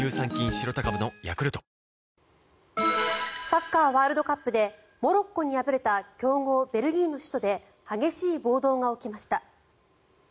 サッカーワールドカップでモロッコに敗れた強豪ベルギーの首都で激しい暴動が起きました。